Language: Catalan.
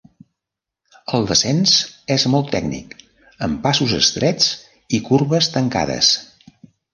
El descens és molt tècnic, amb passos estrets i corbes tancades.